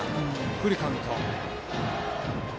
フルカウント。